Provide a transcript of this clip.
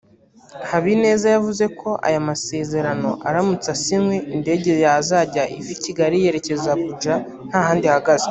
Habineza yavuze ko aya masezerano aramutse asinywe indege yazajya iva Kigali yerekeza Abuja nta handi ihagaze